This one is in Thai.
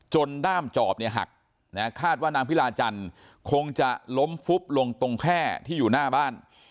ด้ามจอบเนี่ยหักคาดว่านางพิลาจันทร์คงจะล้มฟุบลงตรงแค่ที่อยู่หน้าบ้าน